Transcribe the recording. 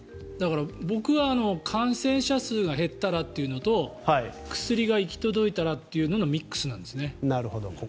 僕は感染者数が減ったらというのと薬が行き届いたらというののミックスなんですね。